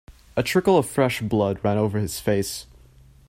A trickle of fresh blood ran over his face.